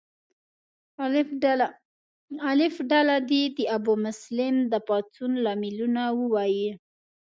الف ډله دې د ابومسلم د پاڅون لاملونه ووایي.